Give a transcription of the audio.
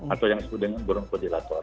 atau yang disebut dengan burung ventilator